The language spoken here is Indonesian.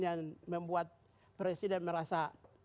yang membuat presiden merasa